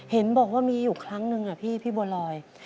เห็นบอกว่ามีอยู่ครั้งหนึ่งพี่บัวรอย